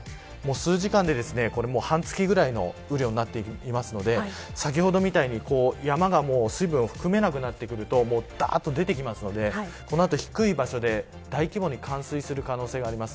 数時間で半月くらいの雨量になっていますので先ほどみたいに、山が水分を含まなくなってくるとだーっと出てきますのでこの後、低い場所で大規模に冠水する可能性があります。